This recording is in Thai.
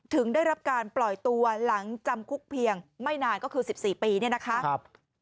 ได้รับการปล่อยตัวหลังจำคุกเพียงไม่นานก็คือ๑๔ปีเนี่ยนะคะ